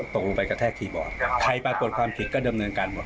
ตกลงไปกระแทกคีย์บอร์ดใครปรากฏความผิดก็ดำเนินการหมด